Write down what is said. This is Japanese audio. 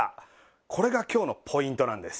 これが今日のポイントなんです。